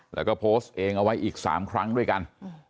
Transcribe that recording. แล้วก็โพสต์เองเอาไว้อีก๓ครั้งด้วยกัน